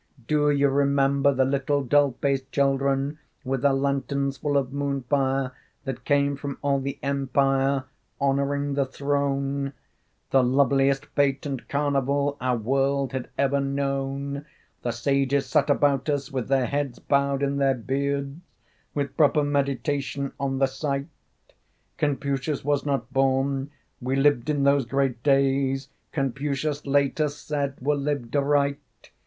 Do you remember The little doll faced children With their lanterns full of moon fire, That came from all the empire Honoring the throne? The loveliest fête and carnival Our world had ever known? The sages sat about us With their heads bowed in their beards, With proper meditation on the sight. Confucius was not born; We lived in those great days Confucius later said were lived aright....